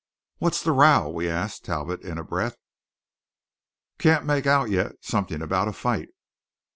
"What's the row?" we asked Talbot in a breath. "Can't make out yet; something about a fight."